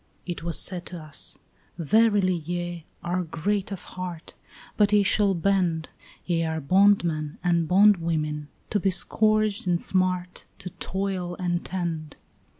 It was said to us: "Verily ye are great of heart, But ye shall bend; Ye are bondmen and bondwomen, to be scourged and smart, To toil and tend."